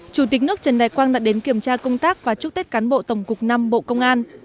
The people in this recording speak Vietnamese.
chủ tịch nước trần đại quang đã đến kiểm tra công tác và chúc tết cán bộ tổng cục v bộ công an